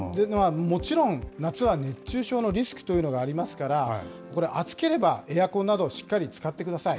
もちろん、夏は熱中症のリスクというのがありますから、これ、暑ければエアコンなど、しっかり使ってください。